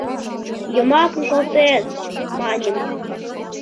— «Йомакым колтет! — маньым.